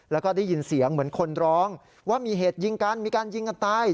แล้วก็ได้ยินเสียงเหมือนคนร้องว่ามีเหตุยิงกันมีการยิงกันตาย